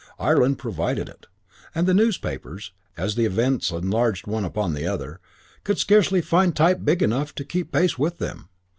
Ireland provided it; and the newspapers, as the events enlarged one upon the other, could scarcely find type big enough to keep pace with them.